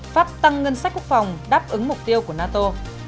pháp tăng ngân sách quốc phòng đáp ứng mục tiêu của nato